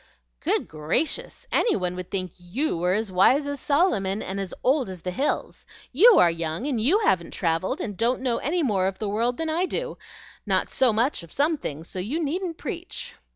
"Good gracious! any one would think YOU were as wise as Solomon and as old as the hills. YOU are young, and YOU haven't travelled, and don't know any more of the world than I do, not so much of some things; so you needn't preach."